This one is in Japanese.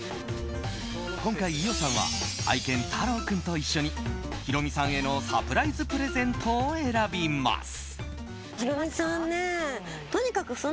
今回、伊代さんは愛犬タロウ君と一緒にヒロミさんへのサプライズプレゼントを選びます。